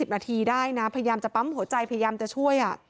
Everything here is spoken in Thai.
นาทีได้นะพยายามจะปั๊มหัวใจพยายามจะช่วย